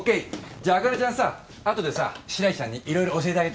じゃあアカネちゃんさ後でさ白石ちゃんにいろいろ教えてあげて。